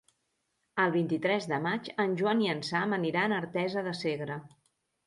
El vint-i-tres de maig en Joan i en Sam aniran a Artesa de Segre.